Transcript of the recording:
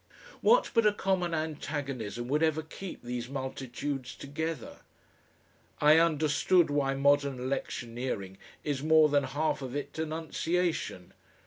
What but a common antagonism would ever keep these multitudes together? I understood why modern electioneering is more than half of it denunciation.